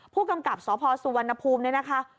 ผู้กำกับสพสุวรรณภูมิเนี่ยนะคะ